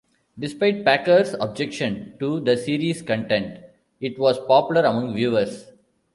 Despite Packer's objections to the series' content, it was popular among viewers.